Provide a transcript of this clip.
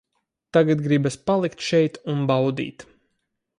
Tagad gribas palikt šeit un baudīt.